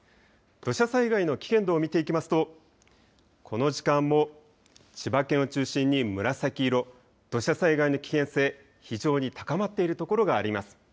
土砂災害の危険度を見ていきますとこの時間も千葉県を中心に紫色、土砂災害の危険性非常に高まっているところがあります。